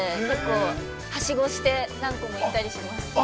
結構はしごして、何個も行ったりします。